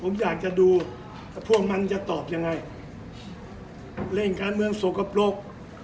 ผมอยากจะดูพวกมันจะตอบยังไงเล่นการเมืองสกปรก